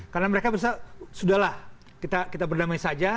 karena mereka sudah lah kita berdamai saja